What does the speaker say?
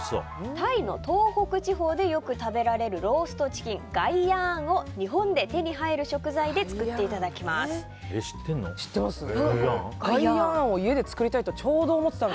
タイの東北地方でよく食べられるローストチキンガイヤーンを日本で手に入る食材で知ってるの？